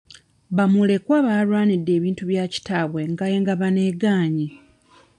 Bamulekwa baalwanidde ebintu bya kitaabwe nga engabana egaanye.